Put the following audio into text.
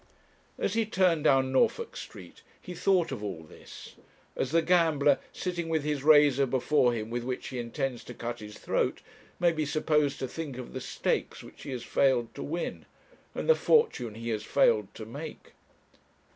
As he turned down Norfolk Street, he thought of all this, as the gambler, sitting with his razor before him with which he intends to cut his throat, may be supposed to think of the stakes which he has failed to win, and the fortune he has failed to make.